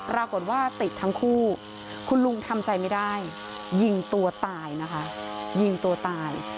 ปรากฏว่าติดทั้งคู่คุณลุงทำใจไม่ได้ยิงตัวตายนะคะยิงตัวตาย